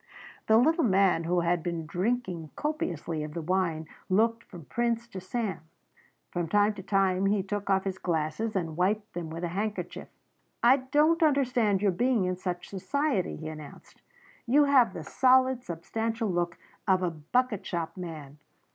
The little man who had been drinking copiously of the wine looked from Prince to Sam. From time to time he took off his glasses and wiped them with a handkerchief. "I don't understand your being in such society," he announced; "you have the solid, substantial look of a bucket shop man.